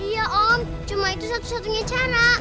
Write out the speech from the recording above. ya om cuma itu satu satunya cara